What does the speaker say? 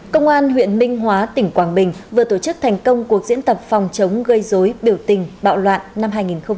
công an huyện minh hóa tỉnh quảng bình vừa tổ chức thành công cuộc diễn tập phòng chống gây dối biểu tình bạo loạn năm hai nghìn một mươi chín